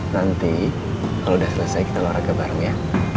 nanti kalau sudah selesai kita olahraga bareng ya